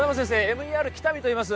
ＭＥＲ喜多見といいます